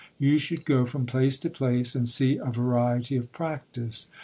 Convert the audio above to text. You should go from place to place, and see a variety of practice.